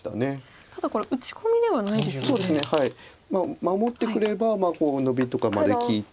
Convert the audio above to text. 守ってくればノビとかまで利いて。